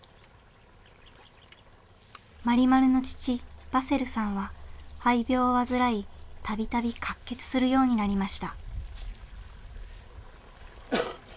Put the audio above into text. マリマルの父バセルさんは肺病を患い度々かっ血するようになりました。